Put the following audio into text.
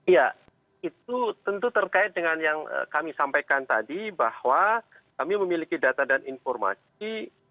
ya itu tentu terkait dengan yang kami sampaikan tadi bahwa kami memiliki data dan informasi